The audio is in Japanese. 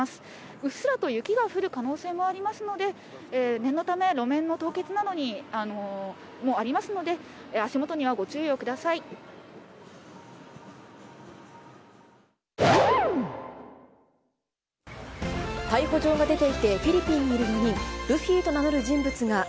うっすらと雪が降る可能性もありますので、念のため、路面の凍結などもありますので、足元にはご注意をください。